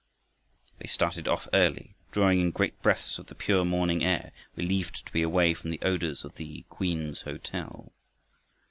They started off early, drawing in great breaths of the pure morning air, relieved to be away from the odors of the "Queen's Hotel."